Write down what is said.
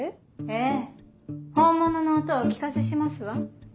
ええ本物の音をお聴かせしますわ。